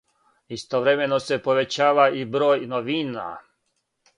Истовремено се повећава и број новина.